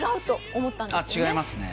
違いますね。